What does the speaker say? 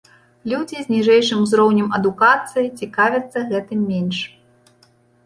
Людзі з ніжэйшым узроўнем адукацыі цікавяцца гэтым менш.